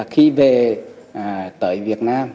khi về việt nam